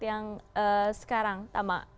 yang sekarang tama